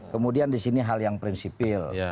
kemudian di sini hal yang prinsipil